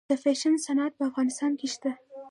د فیشن صنعت په افغانستان کې شته؟